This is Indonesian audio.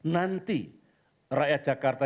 nanti rakyat jakarta